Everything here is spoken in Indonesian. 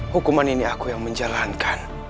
hukuman ini aku yang menjalankan